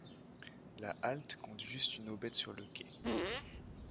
La halte compte juste une aubette sur le quai.